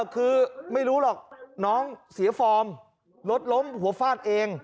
คือไม่รู้หรอกน้องเสียฟอร์มรถล้มหัวฟาดเอง